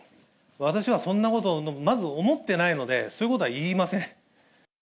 私はそんなことをまず思ってないので、そういうことは言いません。